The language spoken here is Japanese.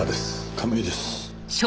亀井です。